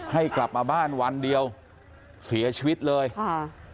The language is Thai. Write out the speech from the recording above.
ให้กลับมาบ้านวันเดียวเสียชีวิตเลยค่ะ